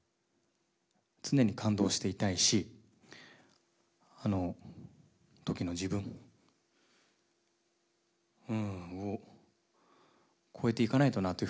常に感動していたいしあの時の自分を超えていかないとなというふうに思います。